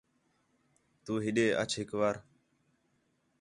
تُو ہِݙے اَچ ہِک وار